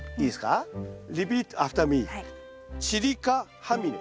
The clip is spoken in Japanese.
チリカハミネ。